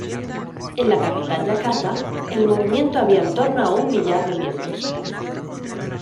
En la capital Yakarta, el movimiento había en torno a un millar de miembros.